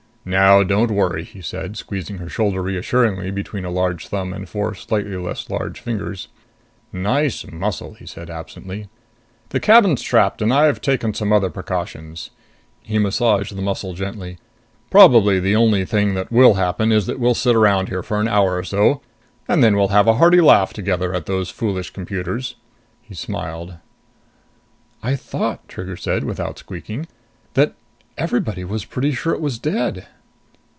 "Now don't worry," he said, squeezing her shoulder reassuringly between a large thumb and four slightly less large fingers. "Nice muscle!" he said absently. "The cabin's trapped and I've taken other precautions." He massaged the muscle gently. "Probably the only thing that will happen is that we'll sit around here for an hour or so, and then we'll have a hearty laugh together at those foolish computers!" He smiled. "I thought," Trigger said without squeaking, "that everybody was pretty sure it was dead."